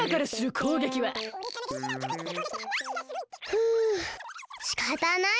ふうしかたない。